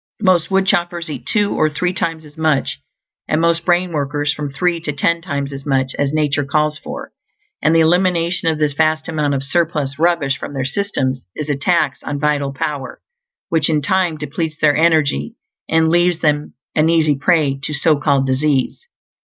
Most woodchoppers eat two or three times as much, and most brain workers from three to ten times as much as nature calls for; and the elimination of this vast amount of surplus rubbish from their systems is a tax on vital power which in time depletes their energy and leaves them an easy prey to so called disease.